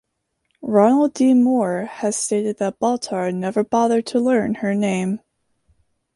Ronald D. Moore has stated that Baltar never bothered to learn her name.